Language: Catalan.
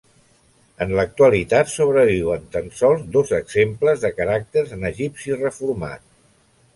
En l'actualitat sobreviuen tan sols dos exemples de caràcters en egipci reformat.